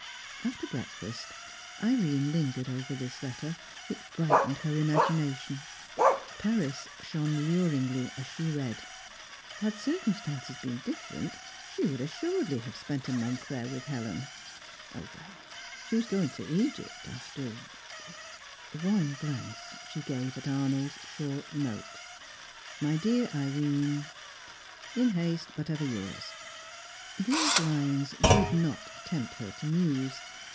After breakfast, Irene lingered over this letter, which brightened her imagination. Paris shone luringly as she read. Had circumstances been different, she would assuredly have spent a month there with Helen. Well, she was going to Egypt, after One glance she gave at Arnold's short note. "My dear Irene" "In haste, but ever yours." These lines did not tempt her to muse.